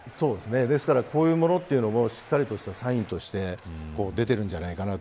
こういうものもしっかりとしたサインとして出ているんじゃないかなと。